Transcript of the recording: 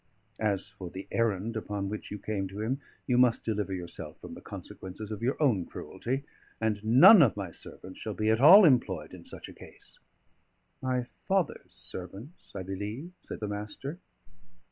As for the errand upon which you came to him, you must deliver yourself from the consequences of your own cruelty, and none of my servants shall be at all employed in such a case." "My father's servants, I believe," said the Master.